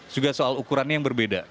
juga soal ukurannya yang berbeda